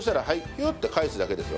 ヒュッと返すだけですよ。